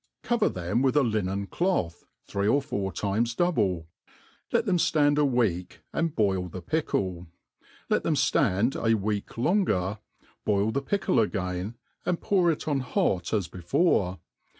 Cover them with a linen cloth,' three or four times double, let them ftand a week, and boil thefiickle. Let them ftand a week longer, boil the pickle again, and pour it on hot as before.